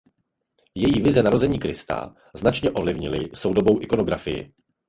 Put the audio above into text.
Její vize narození Krista značně ovlivnily soudobou ikonografii.